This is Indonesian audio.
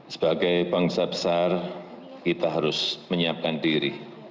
sebagai bangsa besar kita harus menyiapkan diri